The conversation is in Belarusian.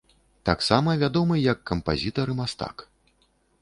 Таксама вядомы як кампазітар і мастак.